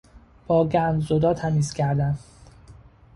با گندزدا تمیز کردن